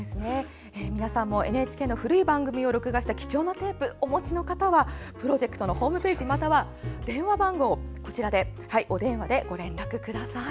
皆さんもＮＨＫの古い番組を録画した貴重なテープをお持ちの方はプロジェクトのホームページまたはお電話でご連絡ください。